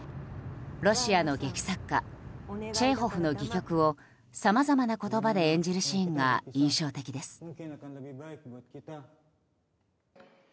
ロシアの劇作家チェーホフの戯曲をさまざまな言葉で演じるシーンが印象的です。